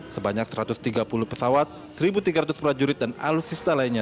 sebanyak satu ratus tiga puluh pesawat seribu tiga ratus pelajurit dan alusista lainnya